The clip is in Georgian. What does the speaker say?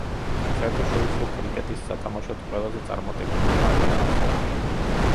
საერთაშორისო კრიკეტის სათამაშოდ ყველაზე წარმატებული მხარეა ავსტრალია.